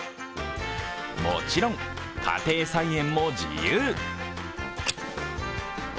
もちろん家庭菜園も自由。